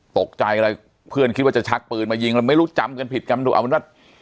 ตกใจอะไรเพื่อนคิดว่าจะชักปืนมายิงแล้วไม่รู้จำกันผิดกันดูเอาเป็นว่า